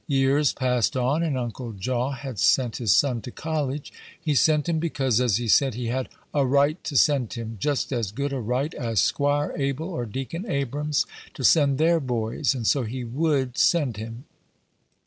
Years passed on, and Uncle Jaw had sent his son to college. He sent him because, as he said, he had "a right to send him; just as good a right as 'Squire Abel or Deacon Abrams to send their boys, and so he would send him."